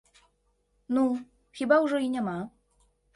Ну, хіба ўжо і няма?